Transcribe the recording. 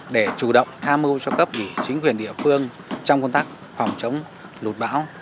để chủ động tham mưu cho cấp ủy chính quyền địa phương trong công tác phòng chống lụt bão